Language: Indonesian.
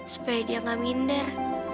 supaya dia gak minder